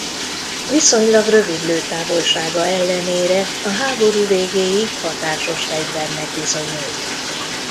Viszonylag rövid lőtávolsága ellenére a háború végéig hatásos fegyvernek bizonyult.